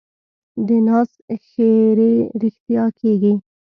د ناز ښېرې رښتیا کېږي.